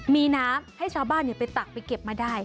มีน้ำให้ชาวบ้านไปตักไปเก็บมาได้